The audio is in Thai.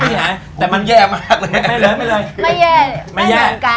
ไม่เย่ไม่เหมือนกัน